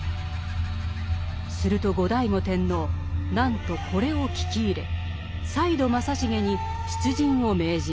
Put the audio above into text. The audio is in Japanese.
すると後醍醐天皇なんとこれを聞き入れ再度正成に出陣を命じます。